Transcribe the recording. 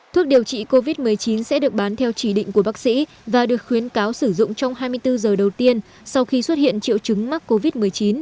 thuốc điều trị covid một mươi chín sẽ được bán theo chỉ định của bác sĩ và được khuyến cáo sử dụng trong hai mươi bốn giờ đầu tiên sau khi xuất hiện triệu chứng mắc covid một mươi chín